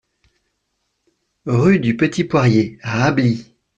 Rue du Petit Poirier à Ablis